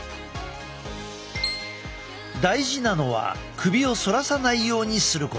大事なのは首を反らさないようにすること。